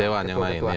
dewan yang lain